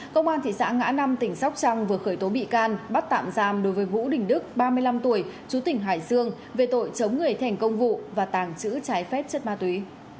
công an thị xã ngã năm tỉnh sóc trăng vừa khởi tố bị can bắt tạm giam đối với vũ đình đức ba mươi năm tuổi chú tỉnh hải dương về tội chống người thành công vụ và tàng trữ trái phép chất ma túy